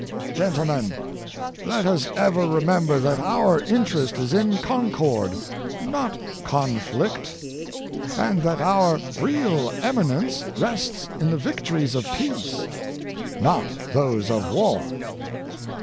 Gen tlemen, let us ever remember that our interest is in concord, not conflict; and that our real eminence rests in the victories of peace, not those of war.